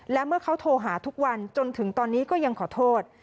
และเมื่อเขาโทรหาทุกวันจนถึงตอนนี้ก็ยังขอโทษ